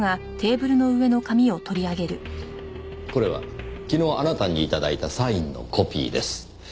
これは昨日あなたに頂いたサインのコピーです。